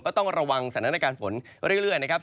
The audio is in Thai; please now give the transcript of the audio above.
ต้องระวังสถานการณ์ฝนเรื่อยนะครับ